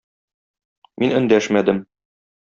Мин эндәшмәдем.